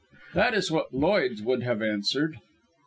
That is what Lloyds would have answered.